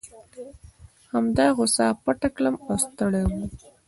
هغه غوسه پټه کړم او ستړی وم.